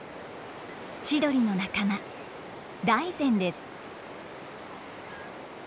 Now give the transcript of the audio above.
チドリの仲間ダイゼンです。